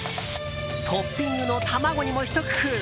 トッピングの卵にもひと工夫。